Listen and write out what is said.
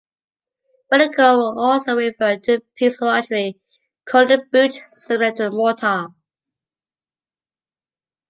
But it could also refer to a piece of artillery called a boot, similar to a mortar.